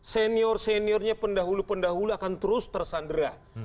senior seniornya pendahulu pendahulu akan terus tersandera